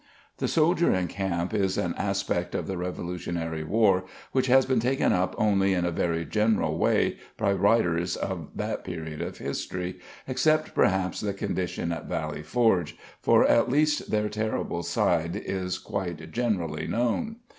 The soldier in camp is an aspect of the Revolutionary War which has been taken up only in a very general way by writers of that period of history, except perhaps the conditions at Valley Forge, for at least their terrible side is quite generally known.